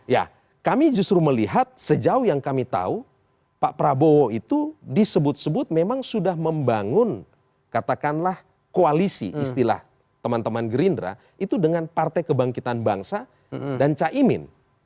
ya kami justru melihat sejauh yang kami tahu pak prabowo itu disebut sebut memang sudah membangun katakanlah koalisi istilah teman teman gerindra itu dengan partai kebangkitan bangsa dan caimin